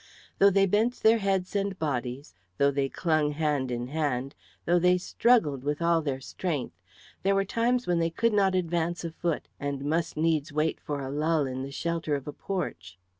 Though they bent their heads and bodies, though they clung hand in hand, though they struggled with all their strength, there were times when they could not advance a foot and must needs wait for a lull in the shelter of a porch.